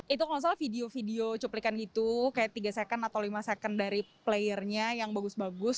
itu kalau misalnya video video cuplikan gitu kayak tiga second atau lima second dari playernya yang bagus bagus